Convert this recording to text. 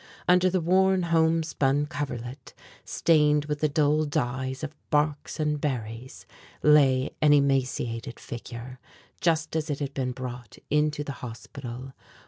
Under the worn homespun coverlet, stained with the dull dyes of barks and berries, lay an emaciated figure, just as it had been brought into the hospital.